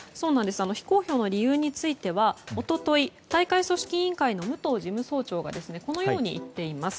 非公表の理由については一昨日、大会組織委員会の武藤事務総長がこのように言っています。